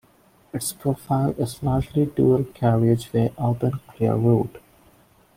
Its proflie is largely dual carriageway urban clear route.